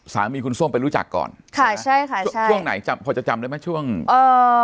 สามีคุณส้มไปรู้จักก่อนค่ะใช่ค่ะใช่ช่วงไหนจำพอจะจำได้ไหมช่วงเอ่อ